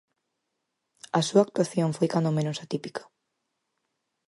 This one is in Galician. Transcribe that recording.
A súa actuación foi cando menos atípica.